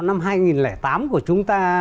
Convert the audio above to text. năm hai nghìn tám của chúng ta